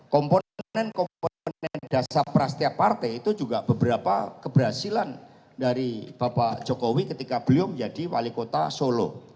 komponen komponen dasar prasetya partai itu juga beberapa keberhasilan dari bapak jokowi ketika beliau menjadi wali kota solo